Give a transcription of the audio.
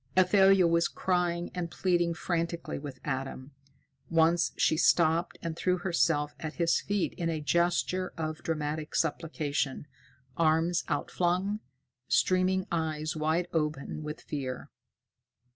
Athalia was crying and pleading frantically with Adam. Once she stopped and threw herself at his feet in a gesture of dramatic supplication, arms outflung, streaming eyes wide open with fear.